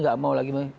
tidak mau lagi